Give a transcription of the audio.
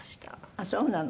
ああそうなの。